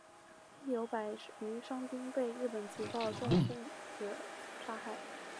亦有百余伤兵被日本籍暴动分子杀害。